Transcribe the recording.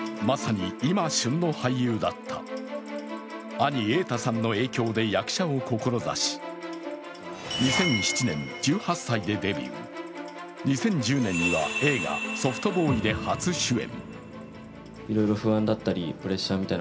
兄・瑛太さんの影響で役者を志し２００７年１８歳でデビュー、２０１０年には映画「ソフトボーイ」で初主演。